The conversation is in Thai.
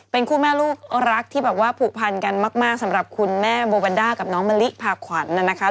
เป็นคู่แม่ลูกรักที่แบบว่าผูกพันกันมากสำหรับคุณแม่โบวันด้ากับน้องมะลิพาขวัญนะคะ